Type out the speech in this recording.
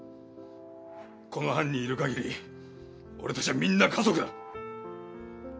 この班にいるかぎり俺たちはみんな家族だ。